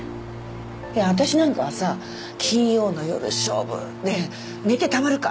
いや私なんかはさ金曜の夜勝負で寝てたまるか！